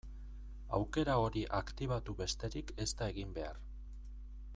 Aukera hori aktibatu besterik ez da egin behar.